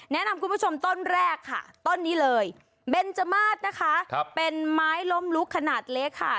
แนะนำคุณผู้ชมต้นแรกค่ะต้นนี้เลยเบนจมาสนะคะเป็นไม้ล้มลุกขนาดเล็กค่ะ